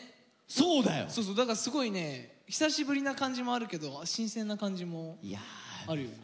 そうそうだからすごいね久しぶりな感じもあるけど新鮮な感じもあるよね。